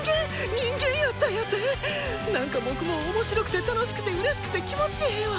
人間やったんやて⁉何か僕もう面白くて楽しくてうれしくて気持ちええわ！